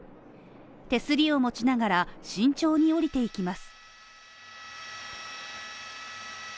手すりを持ちながら、慎重に降りていきます。